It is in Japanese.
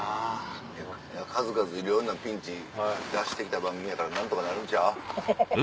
数々いろいろなピンチ脱して来た番組やから何とかなるんちゃう？